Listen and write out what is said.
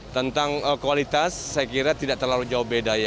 tentang kualitas saya kira tidak terlalu jauh beda ya